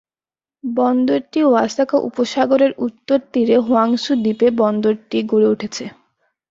বন্দরটি Osaka উপসাগরের উত্তর তীরে হোনশু দ্বীপে বন্দরটি গড়ে উঠেছে।